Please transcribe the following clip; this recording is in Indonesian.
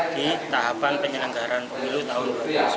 di tahapan penyelenggaran pemilu tahun dua ribu sembilan belas